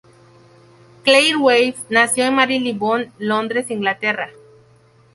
Claire Hawes nació en Marylebone, Londres, Inglaterra.